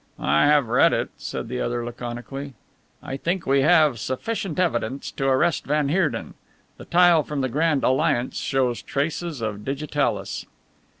"I have read it," said the other laconically, "I think we have sufficient evidence to arrest van Heerden. The tile from the Grand Alliance shows traces of digitalis."